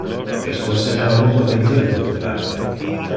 Isto esserea multo gentil de tu parte!